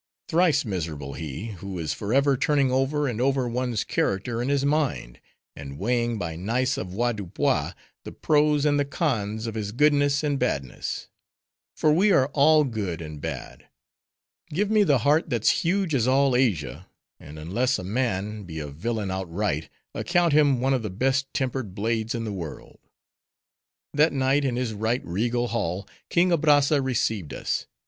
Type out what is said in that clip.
thrice miserable he, who is forever turning over and over one's character in his mind, and weighing by nice avoirdupois, the pros and the cons of his goodness and badness. For we are all good and bad. Give me the heart that's huge as all Asia; and unless a man, be a villain outright, account him one of the best tempered blades in the world. That night, in his right regal hall, King Abrazza received us.